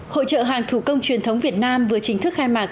hội trợ hàng thủ công truyền thống việt nam vừa chính thức khai mạc